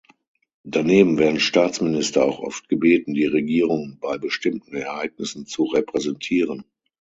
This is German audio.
Daneben werden Staatsminister auch oft gebeten, die Regierung bei bestimmten Ereignissen zu repräsentieren.